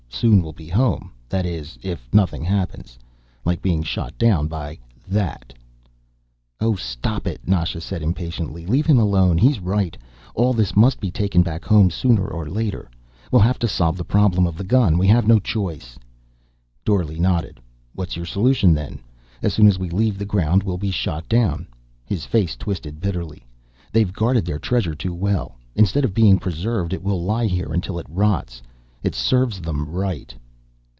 Soon we'll be home, that is, if nothing happens. Like being shot down by that " "Oh, stop it!" Nasha said impatiently. "Leave him alone. He's right: all this must be taken back home, sooner or later. We'll have to solve the problem of the gun. We have no choice." Dorle nodded. "What's your solution, then? As soon as we leave the ground we'll be shot down." His face twisted bitterly. "They've guarded their treasure too well. Instead of being preserved it will lie here until it rots. It serves them right."